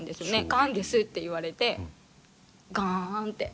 がんですって言われてガンって。